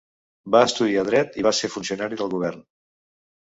Va estudiar dret i va ser funcionari del govern.